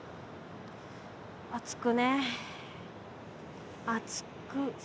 熱くねえ熱く。